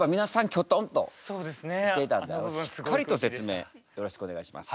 キョトンとしていたんでしっかりと説明よろしくお願いします。